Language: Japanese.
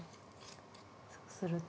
そうすると。